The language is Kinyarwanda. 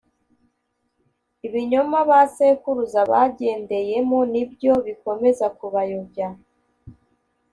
ibinyoma ba sekuruza bagendeyemo ni byo bikomeza kubayobya.